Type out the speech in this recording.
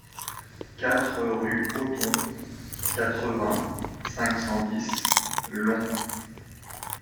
quatre rue Hotton, quatre-vingts, cinq cent dix, Long